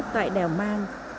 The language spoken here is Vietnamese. tại đèo mang